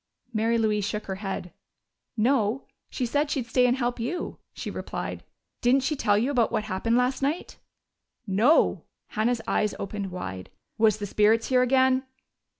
Mary Louise shook her head. "No. She said she'd stay and help you," she replied. "Didn't she tell you about what happened last night?" "No!" Hannah's eyes opened wide. "Was the spirits here again?"